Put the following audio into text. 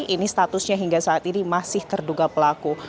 ini statusnya hingga saat ini masih terduga pelaku